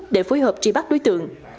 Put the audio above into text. để phối hợp tri bắt đối tượng